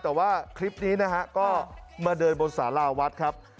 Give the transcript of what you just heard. แต่ว่าคลิปนี้นะฮะก็มาเดินบนสาราวัดครับ